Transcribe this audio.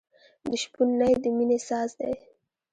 د شپون نی د مینې ساز دی.